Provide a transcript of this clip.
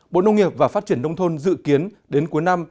bộ nông nghiệp và phát triển nông thôn dự kiến đến cuối năm